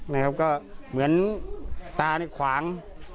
นะครับก็เหมือนตาเนี่ยขวาง